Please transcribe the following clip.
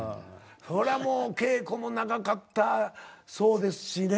そりゃもう稽古も長かったそうですしね。